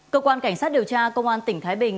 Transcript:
cơ quan cảnh sát điều tra công an tỉnh thái bình